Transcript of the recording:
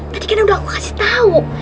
tadi kan udah aku kasih tau